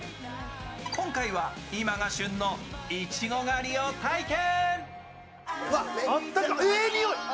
今回は今が旬のいちご狩りを体験。